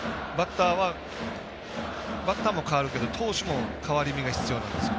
バッターも変わるけど投手も変わり身が必要なんですよ。